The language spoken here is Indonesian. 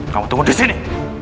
kamu tunggu disini